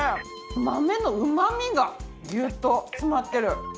豆のうまみがギュッと詰まってる。